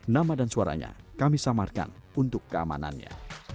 nama dan suaranya kami samarkan untuk keamanannya